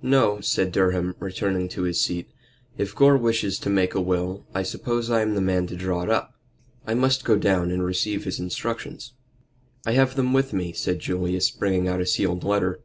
"No," said Durham, returning to his seat. "If Gore wishes to make a will, I suppose I am the man to draw it up. I must go down and receive his instructions." "I have them with me," said Julius, bringing out a sealed letter.